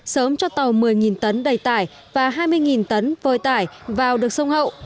sớm cho tàu một mươi tấn đầy tải và hai mươi tấn vơi tải vào được sông hậu